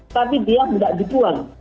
tapi dia tidak dibuang